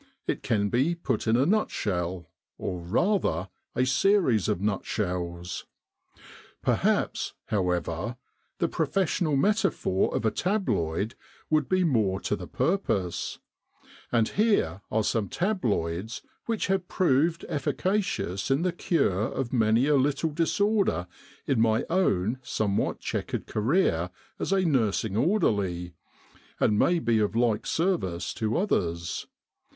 It can be put in a nutshell, or, rather, a series of nutshells. Perhaps, however, the professional metaphor of a tabloid would be more to the purpose ; and here are some tabloids which have proved efficacious in the cure of many a little disorder in my own somewhat chequered career as a nursing orderly, and may be of like service to others.